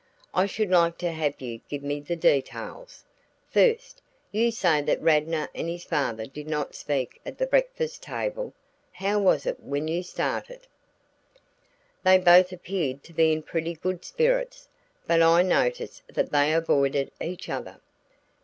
I should like to have you give me the details. First, you say that Radnor and his father did not speak at the breakfast table? How was it when you started?" "They both appeared to be in pretty good spirits, but I noticed that they avoided each other."